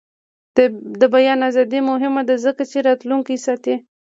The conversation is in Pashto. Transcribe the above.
د بیان ازادي مهمه ده ځکه چې راتلونکی ساتي.